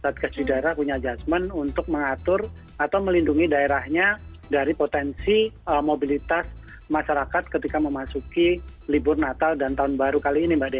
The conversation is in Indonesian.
satgas di daerah punya adjustment untuk mengatur atau melindungi daerahnya dari potensi mobilitas masyarakat ketika memasuki libur natal dan tahun baru kali ini mbak desi